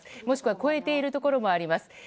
もしくは超えているところもあります。